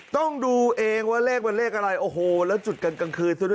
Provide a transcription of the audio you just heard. ต้องดูเองว่าเลขเป็นเลขอะไรโอ้โหแล้วจุดกลางกลางคืน